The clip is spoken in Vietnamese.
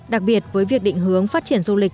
đặc biệt với việc định hướng phát triển du lịch